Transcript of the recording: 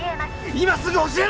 今すぐ教えろ！